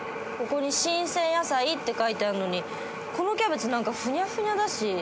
ここに「新鮮野菜」って書いてあんのにこのキャベツ何かふにゃふにゃだし。